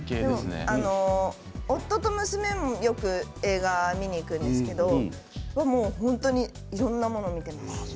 夫と娘もよく映画を見に行くんですけれど本当に、いろいろなものを見ています。